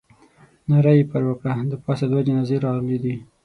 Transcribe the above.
ناره یې پر وکړه. د پاسه دوه جنازې راغلې دي.